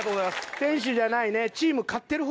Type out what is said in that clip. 選手じゃないね。